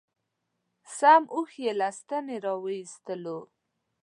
سم اوښ یې له ستنې را و ایستلو.